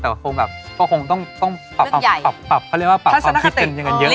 แต่ว่าคงแบบก็คงต้องปรับเรียกว่าปรับความคิดเป็นอย่างเยอะเหมือนกัน